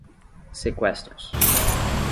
Seqüestros